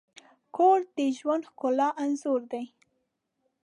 کور د ژوند ښکلی انځور دی.